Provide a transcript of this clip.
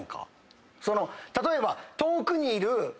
例えば。